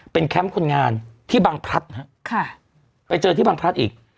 เป็นแคมป์คนงานที่บังพรัฐไปเจอที่บังพรัฐอีก